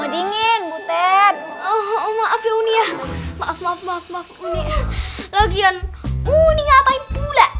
dingin butet oh maaf yaunia